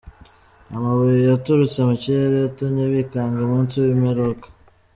Amabuye yaturutse mu kirere yatumye bikanga umunsi w’imperuka